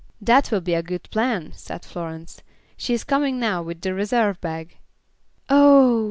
"That will be a good plan," said Florence. "She is coming now with the reserve bag." "Oh!